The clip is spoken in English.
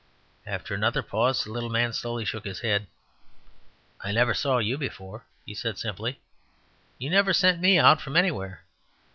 After another pause the little man slowly shook his head. "I never saw you before," he said simply; "you never sent me out from anywhere.